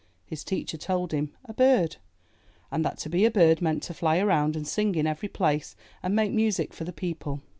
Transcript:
*' His teacher told him, "A bird," and that to be a bird meant to fly around and sing in every place, and make music for the people.